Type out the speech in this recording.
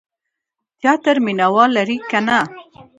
تیاتر مینه وال لري که نه؟